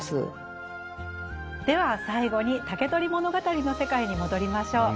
では最後に「竹取物語」の世界に戻りましょう。